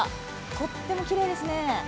とってもきれいですね。